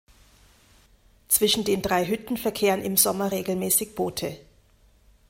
Zwischen den drei Hütten verkehren im Sommer regelmäßig Boote.